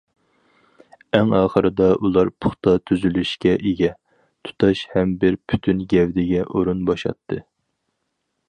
ئەڭ ئاخىرىدا ئۇلار پۇختا تۈزۈلۈشكە ئىگە، تۇتاش ھەم بىر پۈتۈن گەۋدىگە ئورۇن بوشاتتى.